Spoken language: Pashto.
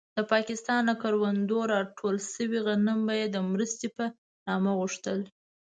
د پاکستان له کروندو راټول شوي غنم به يې د مرستې په نامه غوښتل.